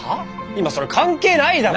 今それ関係ないだろ！